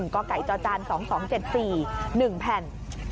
กกจ๒๒๗๔๑แผ่น